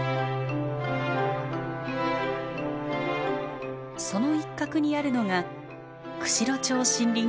その一角にあるのが釧路町森林公園。